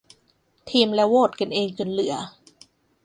ทีมและโหวดกันเองจนเหลือ